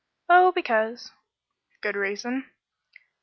"Oh because." "Good reason."